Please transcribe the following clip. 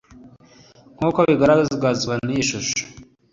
nk’uko bigaragazwa n’iyi shusho